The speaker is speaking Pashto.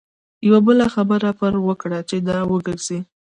یوه بله خبره پر وکړه چې را وګرځي.